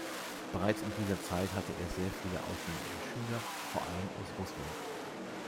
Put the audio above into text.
Bereits in dieser Zeit hatte er sehr viele ausländische Schüler, vor allem aus Russland.